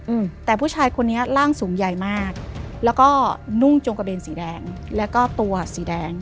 อืมแต่ผู้ชายคนนี้ร่างสูงใหญ่มากแล้วก็นุ่งจงกระเบนสีแดงแล้วก็ตัวสีแดง